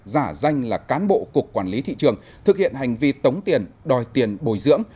giả danh là cán bộ cục quản lý thị trường thực hiện hành vi tống tiền đòi tiền bồi dưỡng